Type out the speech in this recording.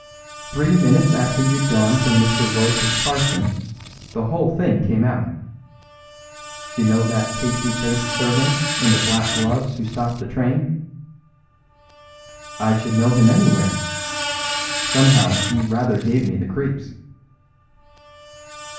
"Three minutes after you'd gone for Mr. Royce's parson the whole thing came out. You know that pasty faced servant in the black gloves who stopped the train?" "I should know him anywhere. Somehow he rather gave me the creeps."